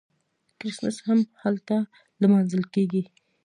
کریسمس هم هلته لمانځل کیږي.